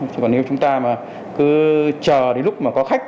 chứ còn nếu chúng ta mà cứ chờ đến lúc mà có khách